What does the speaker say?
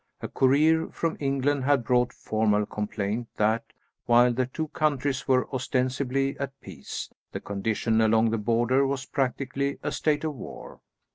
A courier from England had brought formal complaint that, while the two countries were ostensibly at peace, the condition along the border was practically a state of war.